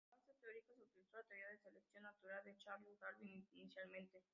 Como base teórica se utilizó la teoría de selección natural de Charles Darwin inicialmente.